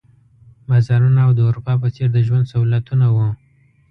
بازارونه او د اروپا په څېر د ژوند سهولتونه وو.